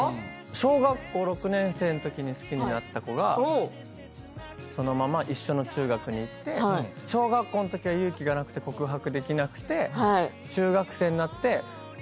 小学校６年生のときに好きになった子がそのまま一緒の中学に行って小学校のときは勇気がなくて告白できなくて中学生になって。